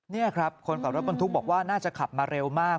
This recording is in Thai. นี่ครับคนขับรถบรรทุกบอกว่าน่าจะขับมาเร็วมาก